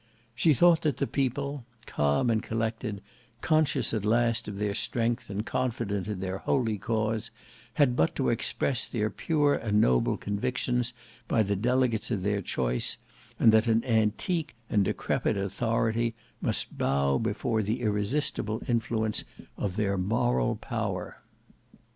She thought that the People, calm and collected, conscious at last of their strength and confident in their holy cause, had but to express their pure and noble convictions by the delegates of their choice, and that an antique and decrepid authority must bow before the irresistible influence of their moral power.